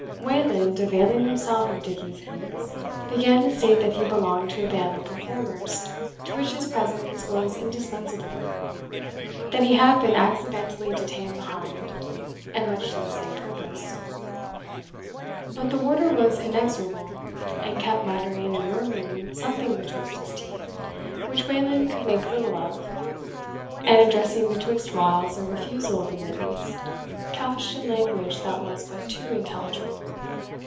Wayland, availing himself of Dickie's hints, began to state that he belonged to a band of performers to which his presence was indispensable, that he had been accidentally detained behind, and much to the same purpose. But the warder was inexorable, and kept muttering and murmuring something betwixt his teeth, which Wayland could make little of; and addressing betwixt whiles a refusal of admittance, couched in language which was but too intelligible.